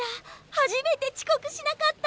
初めてちこくしなかった。